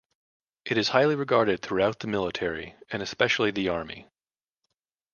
It is highly regarded throughout the military, and especially the Army.